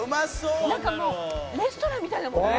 「なんかもうレストランみたいだもんね」